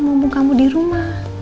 mumpung kamu di rumah